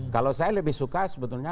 kalau saya lebih suka sebetulnya